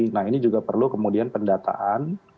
nah ini juga perlu kemudian pendataan